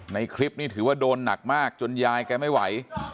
ในคลิปนี้ถือว่าโดนหนักมากจนยายแกไม่ไหว